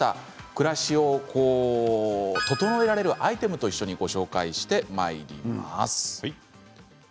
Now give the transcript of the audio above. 暮らしを整えられるアイテムとともにご紹介してまいります。